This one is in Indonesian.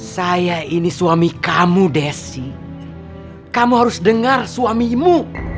saya ini suami kamu desi kamu harus dengar suamimu